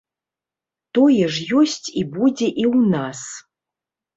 Тое ж ёсць і будзе і ў нас.